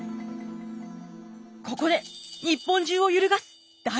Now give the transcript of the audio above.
ここで日本中を揺るがす大事件が！